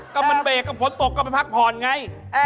ก็มันเบรกก็ฝนตกก็ไปพักผ่อนไง